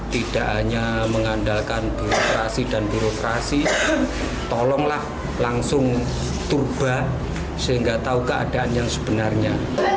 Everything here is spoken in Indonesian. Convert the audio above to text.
tidak hanya mengandalkan birokrasi dan birokrasi tolonglah langsung turba sehingga tahu keadaan yang sebenarnya